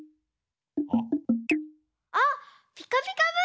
あっ「ピカピカブ！」